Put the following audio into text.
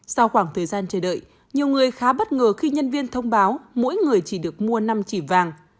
sau khoảng thời gian chờ đợi nhiều người khá bất ngờ khi nhân viên thông báo mỗi người chỉ được mua năm chỉ vàng